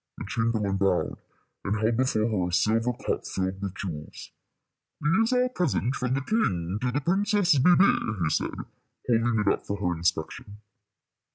The chamberlain bowed, and held before her a silver cup filled with jewels. "These are a present from the king to the Princess Bébè," he said, holding it up for her inspection.